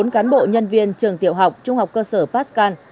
bốn cán bộ nhân viên trường tiểu học trung học cơ sở pastkan